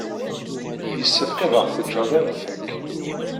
Yessefk ad aɣ-tejjed ad nfak.